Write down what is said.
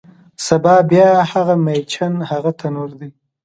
سبا بیا هغه میچن، هغه تنور دی